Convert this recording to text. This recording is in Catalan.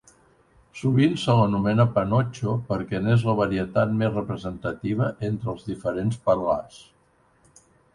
Sovint se l'anomena panotxo perquè n'és la varietat més representativa entre els diferents parlars.